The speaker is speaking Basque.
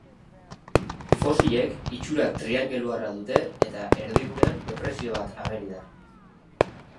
Fosilek itxura triangeluarra dute eta erdigunean depresio bat ageri da.